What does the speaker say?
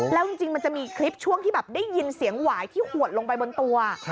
แล้วจริงมันจะมีคลิปช่วงที่แบบได้ยินเสียงหวายที่หวดลงไปบนตัว